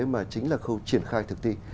mà chính là khâu triển khai thực tị